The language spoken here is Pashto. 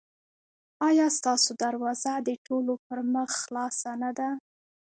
ایا ستاسو دروازه د ټولو پر مخ خلاصه نه ده؟